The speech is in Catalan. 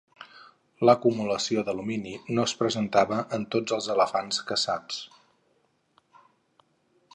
L'acumulació d'alumini no es presentava en tots els elefants caçats.